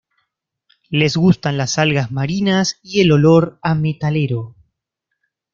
Les gustan las algas marinas y el olor a Metalero.